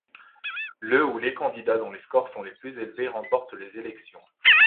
Le ou les candidats dont les scores sont les plus élevés remportent les élections.